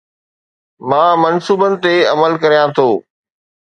مان منصوبن تي عمل ڪريان ٿو